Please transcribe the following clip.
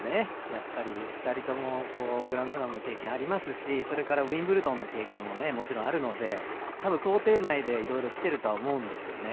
やっぱり２人ともグランドスラムの経験ありますしそれからウィンブルドンの経験ももちろんあるので多分想定内でいろいろ来てるとは思うんですね。